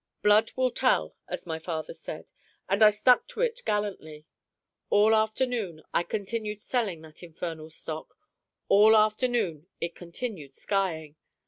Blood will tell, as my father said; and I stuck to it gallantly: all afternoon I continued selling that infernal stock, all afternoon it continued skying.